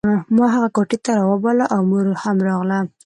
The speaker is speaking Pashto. ما هغه کوټې ته راوبلله او مور هم ورغله